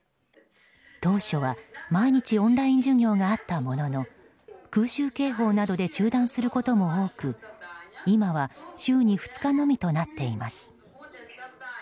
当初は、毎日オンライン授業があったものの空襲警報などで中断することも多く今は週に２日のみとなっています。